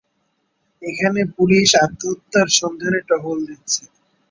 এখানে পুলিশ আত্মহত্যার সন্ধানে টহল দিচ্ছে।